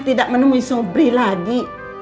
tidak menemui sobri lagi